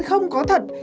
không có thật